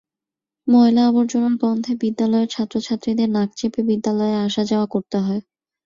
ময়লা আবর্জনার গন্ধে বিদ্যালয়ের ছাত্রছাত্রীদের নাক চেপে বিদ্যালয়ে আসা যাওয়া করতে হয়।